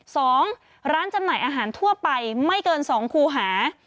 สองร้านจำหน่ายอาหารทั่วไปไม่เกินสองคูหา